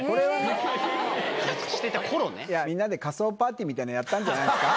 みんなで仮装パーティーみたいなのやったんじゃないですか？